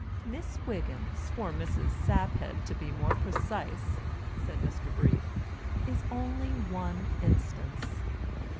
"Miss Wiggins or Mrs. Saphead, to be more precise," said Mr. Brief, "is only one instance."